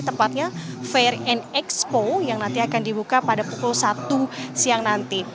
tepatnya fair and expo yang nanti akan dibuka pada pukul satu siang nanti